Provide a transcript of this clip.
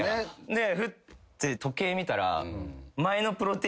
でふって時計見たら。